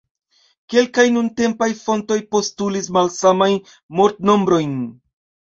Kelkaj nuntempaj fontoj postulis malsamajn mortnombrojn.